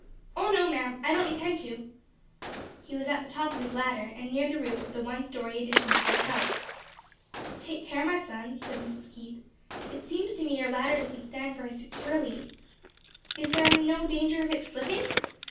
"Oh, no, ma'am, I don't intend to." He was at the top of his ladder and near the roof of the new one story addition to their house. "Take care, my son," said Mrs. Keith; "it seems to me your ladder doesn't stand very securely. Is there no danger of its slipping?"